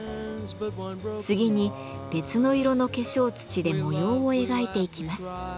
次に別の色の化粧土で模様を描いていきます。